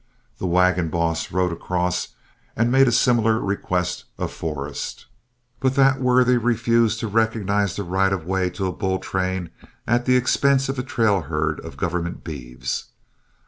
The wagon boss rode across and made a similar request of Forrest, but that worthy refused to recognize the right of way to a bull train at the expense of a trail herd of government beeves.